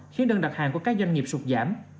khiến đơn đặt hàng của các doanh nghiệp sụt giảm